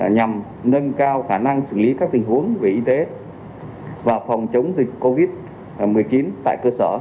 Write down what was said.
nhằm nâng cao khả năng xử lý các tình huống về y tế và phòng chống dịch covid một mươi chín tại cơ sở